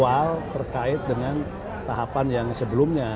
hal terkait dengan tahapan yang sebelumnya